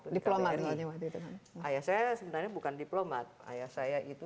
diplomatnya waktu itu ayah saya sebenarnya bukan diplomat ayah saya itu